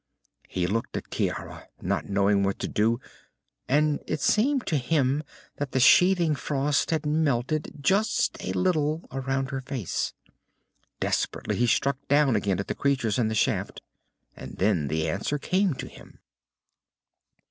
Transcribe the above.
He looked at Ciara, not knowing what to do, and it seemed to him that the sheathing frost had melted, just a little, around her face. Desperately, he struck down again at the creatures in the shaft, and then the answer came to him.